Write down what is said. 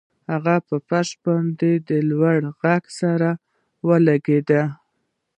هغه په فرش باندې د لوړ غږ سره ولګیده